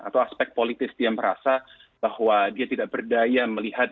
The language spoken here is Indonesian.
atau aspek politis dia merasa bahwa dia tidak berdaya melihat